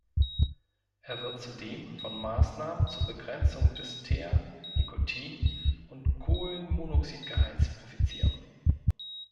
Er wird zudem von Maßnahmen zur Begrenzung des Teer, Nikotin- und Kohlenmonoxidgehalts profitieren.